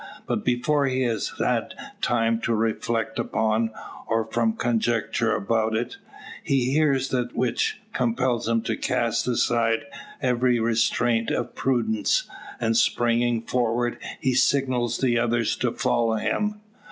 But before he has time to reflect upon, or form conjectures about it, he hears that which compels him to cast aside every restraint of prudence; and springing forward, he signals the others to follow him.